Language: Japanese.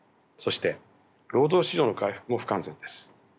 そして労働市場の回復も不完全です。